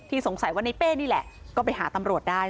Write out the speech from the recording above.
สงสัยว่าในเป้นี่แหละก็ไปหาตำรวจได้